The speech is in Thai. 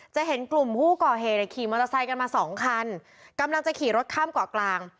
จะเห็นกลุ่มผู้ก่อเหตุขี่มอเตอร์ไซค์กันมาสองคันกำลังจะขี่รถข้ามเกาะกลาง